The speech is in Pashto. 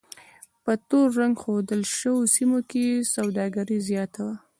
په تور رنګ ښودل شویو سیمو کې سوداګري زیاته وه.